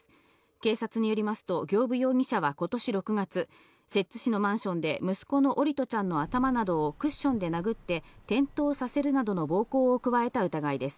警察によりますと、行歩容疑者はことし６月、摂津市のマンションで、息子の桜利斗ちゃんの頭などをクッションで殴って転倒させるなどの暴行を加えた疑いです。